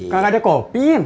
gak ada kopi im